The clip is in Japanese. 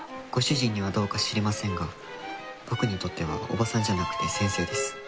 ご主人にはどうか知りませんが僕にとってはおばさんじゃなくて先生です。